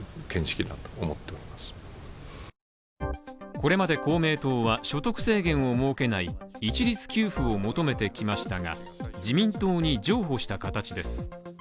これまで公明党は、所得制限を設けない一律給付を求めてきましたが自民党に譲歩した形です。